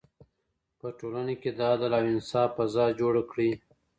په ټولنه کي د عدل او انصاف فضا جوړه کړئ.